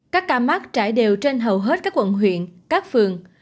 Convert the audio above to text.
các ca mắc trải đều trên hầu hết các quận huyện các phường